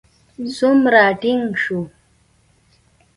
څومره ټينګ شو.